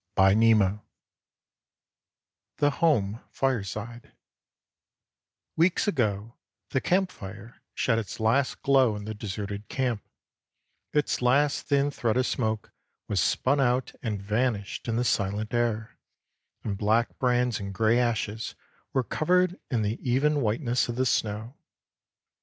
III THE HOME FIRESIDE Weeks ago the camp fire shed its last glow in the deserted camp, its last thin thread of smoke was spun out and vanished in the silent air, and black brands and gray ashes were covered in the even whiteness of the snow.